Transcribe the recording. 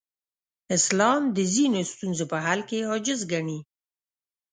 اسلام د ځینو ستونزو په حل کې عاجز ګڼي.